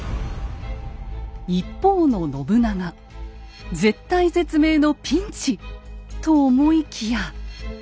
一方の信長絶体絶命のピンチ！と思いきや。